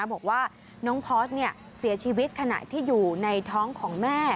เขาบอกว่าน้องพอร์ชเนี่ยเสียชีวิตขนาดที่อยู่ในท้องของแม่